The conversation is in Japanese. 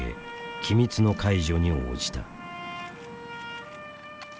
機密の解除に応じた。